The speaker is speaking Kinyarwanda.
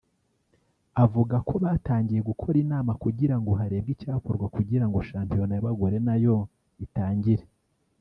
avuga ko batangiye gukora inama kugira ngo harebwe icyakorwa kugira ngo shampiyona y’abagorenayo itangire